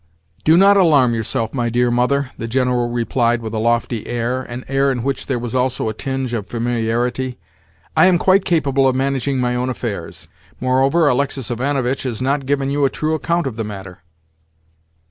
"Do not alarm yourself, my dear mother," the General replied with a lofty air—an air in which there was also a tinge of familiarity. "I am quite capable of managing my own affairs. Moreover, Alexis Ivanovitch has not given you a true account of the matter."